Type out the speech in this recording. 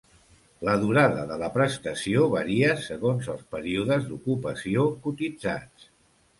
La durada de la prestació varia segons els períodes d'ocupació cotitzats.